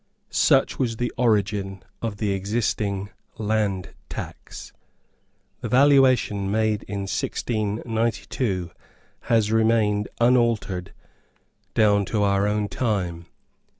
Such was the origin of the existing land tax. The valuation made in 1692 has remained unaltered down to our own time.